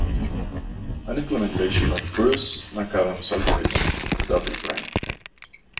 An implementation of Bruce McAdam's Algorithm W prime